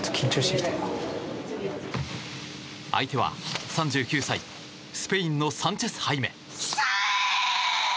相手は３９歳スペインのサンチェス・ハイメ。